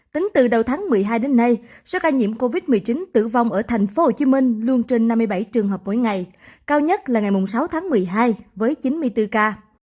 tính từ đầu tháng một mươi hai đến nay số ca nhiễm covid một mươi chín tử vong ở tp hcm luôn trên năm mươi bảy trường hợp mỗi ngày cao nhất là ngày sáu tháng một mươi hai với chín mươi bốn ca